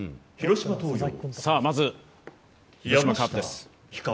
まず、広島カープです。